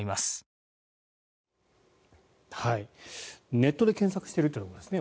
ネットで検索しているというところですね。